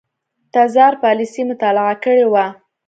تزار پالیسي مطالعه کړې وه.